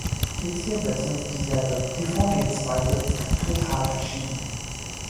Die Zielsetzung ist diesselbe, die Vorgehensweise ist total verschieden.